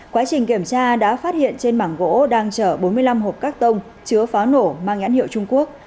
quá trình kiểm tra đã phát hiện trên mảng gỗ đang chở bốn mươi năm hộp các tông chứa pháo nổ mang nhãn hiệu trung quốc